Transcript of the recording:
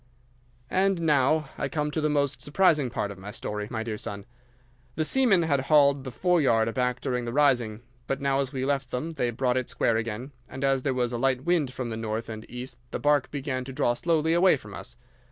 "'And now I come to the most surprising part of my story, my dear son. The seamen had hauled the foreyard aback during the rising, but now as we left them they brought it square again, and as there was a light wind from the north and east the barque began to draw slowly away from us.